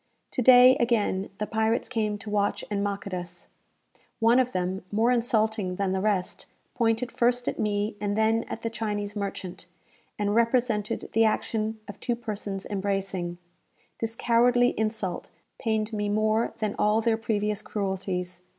To day, again, the pirates came to watch and mock at us. One of them, more insulting than the rest, pointed first at me and then at the Chinese merchant, and represented the action of two persons embracing. This cowardly insult pained me more than all their previous cruelties.